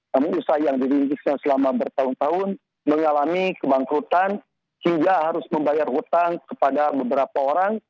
namun usaha yang dirintisnya selama bertahun tahun mengalami kebangkrutan hingga harus membayar hutang kepada beberapa orang